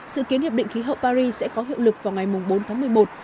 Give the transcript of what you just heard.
sự kiến hiệp định khí hậu paris sẽ có hiệu lực vào ngày bốn tháng một mươi một